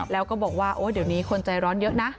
แล้วก็บอกว่าโอ๊ยเดี๋ยวนี้คนใจร้อนเยอะนะ